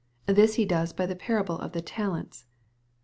This He does by the parable of the talents.